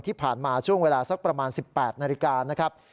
ที่ผ่านมาช่วงเวลาสักประมาณ๑๘นาฬิกานะครับ